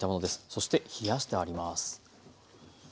そして冷やしてあります。